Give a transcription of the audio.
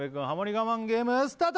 我慢ゲームスタート！